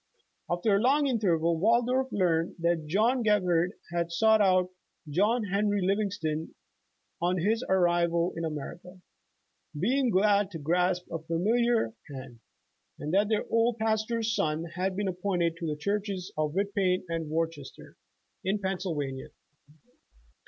After a long interval, Waldorf learned that John Gebhard had sought out John Henry Livingslon on his arrival in America, being glad to grasp a familiar hand, and that their old pastor's son had been ap pointed to the churches of Whitpain and Worcester in Pennsylvania.